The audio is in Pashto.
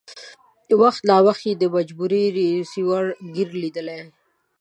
وخت ناوخت یې د مجبورۍ رېورس ګیر لېدلی.